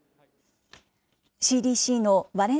ＣＤＣのワレン